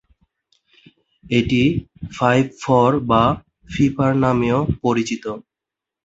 এটি ফাইভ-ফর বা ফিফার নামেও পরিচিত।